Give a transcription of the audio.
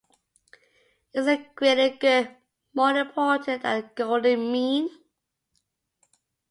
Is the "greater good" more important than the "golden mean"?